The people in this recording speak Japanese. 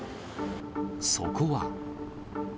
そこは。